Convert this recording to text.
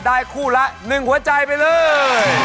ได้คู่ละ๑หัวใจไปเลย